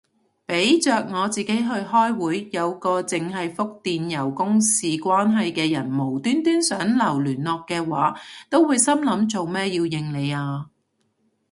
俾着我自己去開會，有個剩係覆電郵公事關係嘅人無端端想留聯絡嘅話，都會心諗做乜要應你啊